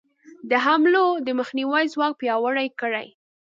د حملو د مخنیوي ځواک پیاوړی کړي.